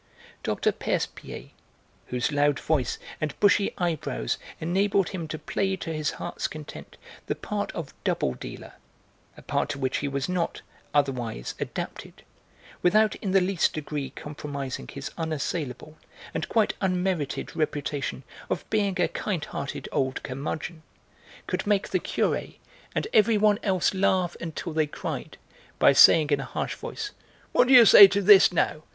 Dr. Percepied, whose loud voice and bushy eyebrows enabled him to play to his heart's content the part of 'double dealer,' a part to which he was not, otherwise, adapted, without in the least degree compromising his unassailable and quite unmerited reputation of being a kind hearted old curmudgeon, could make the Curé and everyone else laugh until they cried by saying in a harsh voice: "What d'ye say to this, now?